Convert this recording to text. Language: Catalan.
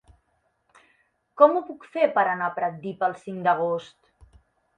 Com ho puc fer per anar a Pratdip el cinc d'agost?